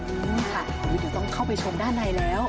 อันนี้เดี๋ยวต้องเข้าไปชมด้านในแล้ว